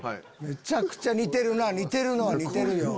めちゃくちゃ似てるな似てるのは似てるよ。